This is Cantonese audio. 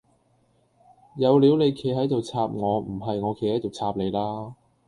有料你企喺度插我唔係我企喺度插你啦